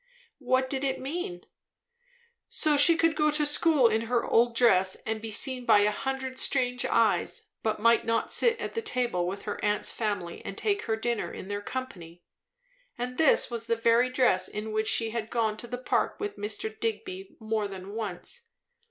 What did it mean? So she could go to school in her old dress and be seen by a hundred strange eyes, but might not sit at the table with her aunt's family and take her dinner in their company! And this was the very dress in which she had gone to the Park with Mr. Digby more than once.